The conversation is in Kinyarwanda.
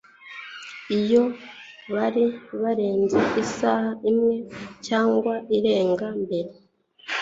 Iyo bari barenze isaha imwe cyangwa irenga mbere